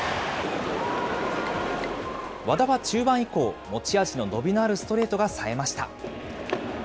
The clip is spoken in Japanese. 和田は中盤以降、持ち味の伸びのあるストレートがさえました。